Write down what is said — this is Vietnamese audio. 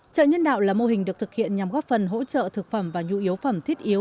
chợ nhân đạo là mô hình được thực hiện nhằm góp phần hỗ trợ thực phẩm và nhu yếu phẩm thiết yếu